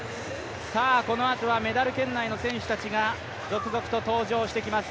このあとはメダル圏内の選手たちが、続々と登場してきます。